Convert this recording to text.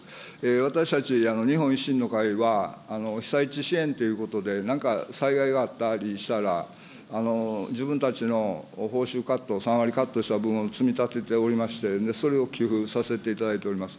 私たち日本維新の会は、被災地支援ということで、なんか災害があったりしたら、自分たちの報酬カット、３割カットした分を積み立てておりまして、それを寄付させていただいております。